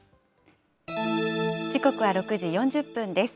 時刻は６時４０分です。